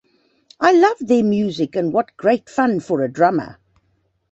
I loved their music and what great fun for a drummer.